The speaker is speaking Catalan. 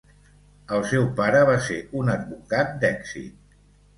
El seu pare va ser un advocat d'èxit.